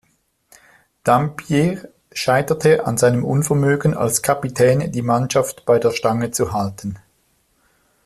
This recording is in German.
Dampier scheiterte an seinem Unvermögen, als Kapitän die Mannschaft bei der Stange zu halten.